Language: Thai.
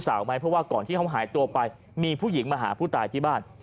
ไหมเพราะว่าก่อนที่เขาหายตัวไปมีผู้หญิงมาหาผู้ตายที่บ้าน